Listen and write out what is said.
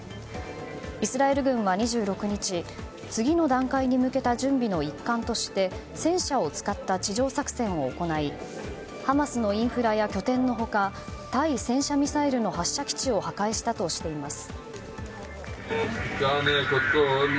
イスラエル軍は２６日次の段階に向けた準備の一環として戦車を使った地上作戦を行いハマスのインフラや拠点の他対戦車ミサイルの発射基地を破壊したとしています。